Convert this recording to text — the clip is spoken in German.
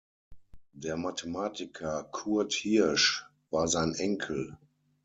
Der Mathematiker Kurt Hirsch war sein Enkel.